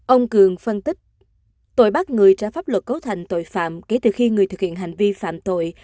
ông cường phân tích tội bắt người trái pháp luật cấu thành tội phạm kể từ khi người thực hiện hành vi phạm tội